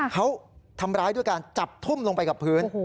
เขาทำร้ายด้วยการจับทุ่มลงไปกับพื้น